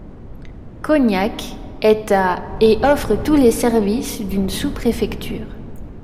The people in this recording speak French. Cognac est à et offre tous les services d'une sous-préfecture.